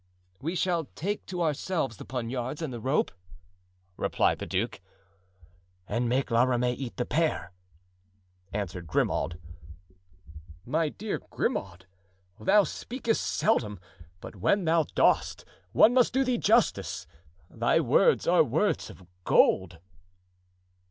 "We shall take to ourselves the poniards and the rope," replied the duke. "And make La Ramee eat the pear," answered Grimaud. "My dear Grimaud, thou speakest seldom, but when thou dost, one must do thee justice—thy words are words of gold."